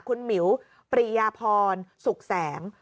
คุณหมิวปริยาพรสุขแสง